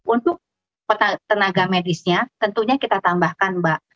untuk tenaga medisnya tentunya kita tambahkan mbak